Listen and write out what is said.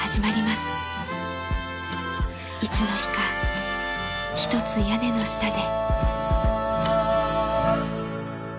［いつの日か一つ屋根の下で］